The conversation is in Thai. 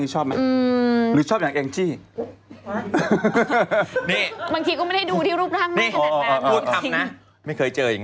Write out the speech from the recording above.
คุณตั๊กนะฮะชั้นแต่งหน้าของเราเมื่อกี้ผมเห็น